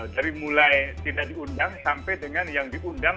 dari mulai tidak diundang sampai dengan yang diundang